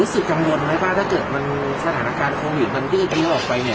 รู้สึกกังวลไหมว่าถ้าเกิดมันสถานการณ์โควิดมันยืดเยอะออกไปเนี่ย